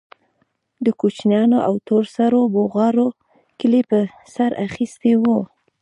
د کوچنيانو او تور سرو بوغارو کلى په سر اخيستى و.